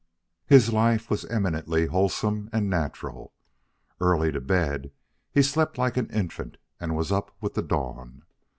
His life was eminently wholesome and natural. Early to bed, he slept like an infant and was up with the dawn.